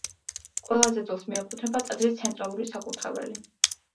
ყველაზე ძველს მიეკუთვნება ტაძრის ცენტრალური საკურთხეველი.